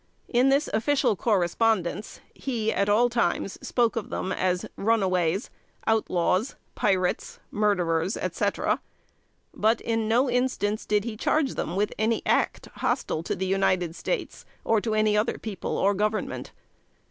In this official correspondence, he at all times spoke of them as "runaways," "outlaws," "pirates," "murderers," etc.; but in no instance did he charge them with any act hostile to the United States, or to any other people or government.